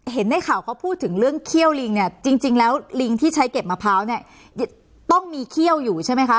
เห็นในข่าวเขาพูดถึงเรื่องเขี้ยวลิงเนี่ยจริงแล้วลิงที่ใช้เก็บมะพร้าวเนี่ยต้องมีเขี้ยวอยู่ใช่ไหมคะ